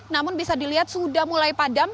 namun bisa dilihat sudah mulai padam